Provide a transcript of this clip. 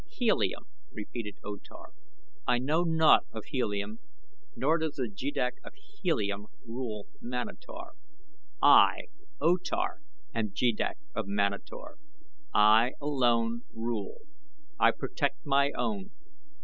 "Helium," repeated O Tar. "I know naught of Helium, nor does the Jeddak of Helium rule Manator. I, O Tar, am Jeddak of Manator. I alone rule. I protect my own.